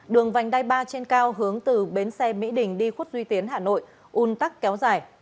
đường vành đai ba trên cao hướng từ bến xe mỹ đình đi khuất duy tiến hà nội un tắc kéo dài